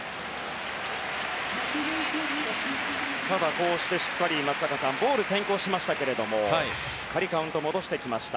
こうしてしっかり松坂さんボールが先行しましたがしっかりカウントを戻してきました。